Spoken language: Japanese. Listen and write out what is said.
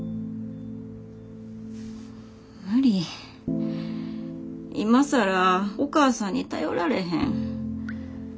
無理今更お母さんに頼られへん。